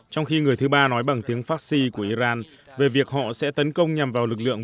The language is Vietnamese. trong khi người thứ ba nói bằng tiếng fasci của iran về việc họ sẽ tấn công nhằm vào lực lượng